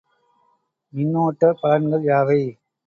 மின்னோட்டப் பலன்கள் யாவை?